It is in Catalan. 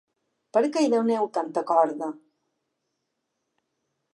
Per què hi doneu tanta corda?